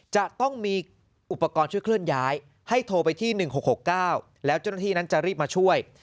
จะต้องมีอุปกรณ์ช่วยเคลื่อนย้ายให้โทรไปที่๑๖๖๙แล้วเจ้าหน้าที่นั้นจะรีบมาช่วย